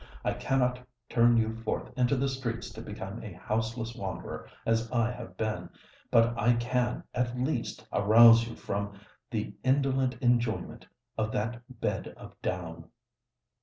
I cannot turn you forth into the streets to become a houseless wanderer, as I have been:—but I can at least arouse you from the indolent enjoyment of that bed of down."